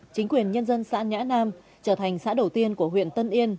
chính quyền nhân dân xã nhã nam trở thành xã đầu tiên của huyện tân yên